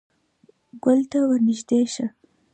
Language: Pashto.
_ګول ته ور نږدې شه.